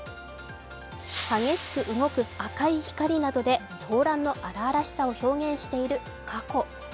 激しく動く赤い光などで騒乱の荒々しさを表現している過去。